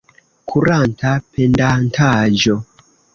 Kuranta pendantaĵo.